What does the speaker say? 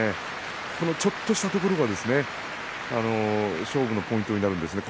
このちょっとしたところが勝負のポイントになるんですね。